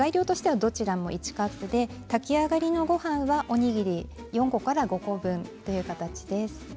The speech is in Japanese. どちらも１カップで炊き上がりのごはんはおにぎり４個から５個分という形です。